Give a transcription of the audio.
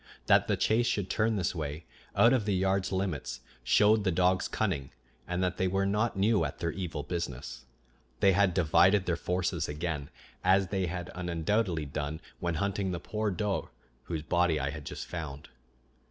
That the chase should turn this way, out of the yard's limits showed the dogs' cunning, and that they were not new at their evil business. They had divided their forces again, as they had undoubtedly done when hunting the poor doe whose body I had just found.